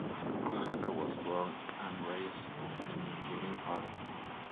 Hacker was born and raised in Eugene, Oregon.